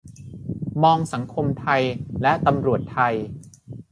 มองสังคมไทยและตำรวจไทย